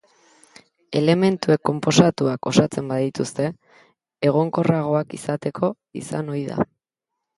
Elementuek konposatuak osatzen badituzte, egonkorragoak izateko izan ohi da.